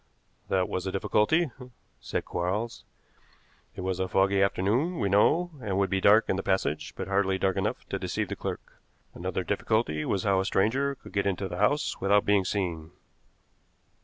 "That was a difficulty," said Quarles. "It was a foggy afternoon, we know, and would be dark in the passage, but hardly dark enough to deceive the clerk. Another difficulty was how a stranger could get into the house without being seen.